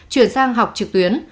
chuyển sang học trực tuyến